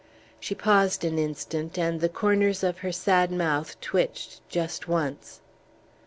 She paused an instant, and the corners of her sad mouth twitched just once.